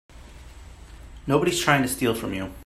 Nobody's trying to steal from you.